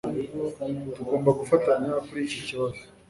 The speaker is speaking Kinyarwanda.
Tugomba gufatanya kuri iki kibazo